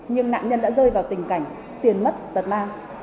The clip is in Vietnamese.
nhưng nạn nhân đã rơi vào tình cảnh tiền mất tật ma